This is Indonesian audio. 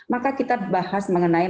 maka kita bahas mengenai